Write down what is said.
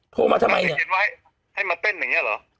โทรมาทำไมเนี่ยจ้างเด็กเอ็นไว้ให้มาเต้นอย่างเงี้ยเหรอ